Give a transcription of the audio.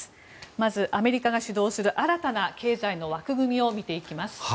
まず、アメリカが主導する新たな経済の枠組みを見ていきます。